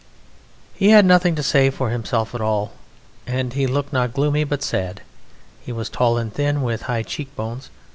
He had nothing to say for himself at all, and he looked not gloomy but sad. He was tall and thin, with high cheekbones.